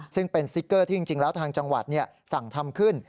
ซึ่งเป็นสติ๊กเกอร์ที่จริงแล้วทางจังหวัดสั่งทำขึ้น